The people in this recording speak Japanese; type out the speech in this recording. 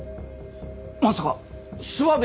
まさか諏訪部！